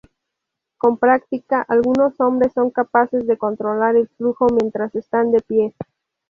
Con práctica, algunos hombres son capaces de controlar el flujo mientras están de pie.